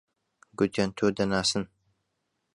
گوتیان تۆ دەناسن.